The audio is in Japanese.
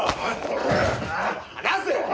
離せよ！